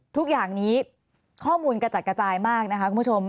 ทุกอย่างนี้ข้อมูลกระจัดกระจายมากนะคะคุณผู้ชม